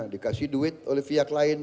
dikasih duit oleh pihak lain